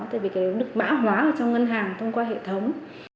tại vì cái đó được mã hóa trong ngân hàng thông qua hệ thống